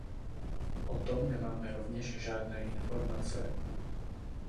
O tom nemáme rovněž žádné informace.